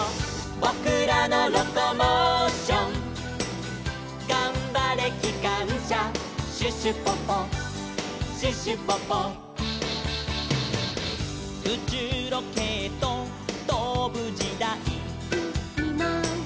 「ぼくらのロコモーション」「がんばれきかんしゃ」「シュシュポポシュシュポポ」「うちゅうロケットとぶじだい」